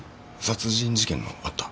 殺人事件のあった？